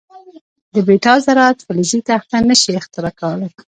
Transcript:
د بیټا ذرات فلزي تخته نه شي اختراق کولای.